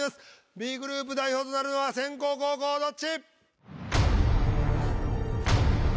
Ｂグループ代表となるのは先攻後攻どっち？